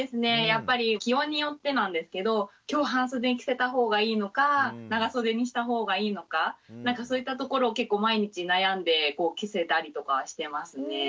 やっぱり気温によってなんですけど今日半袖着せた方がいいのか長袖にした方がいいのかそういったところを結構毎日悩んで着せたりとかはしてますね。